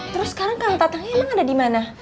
terus sekarang kang datangnya emang ada dimana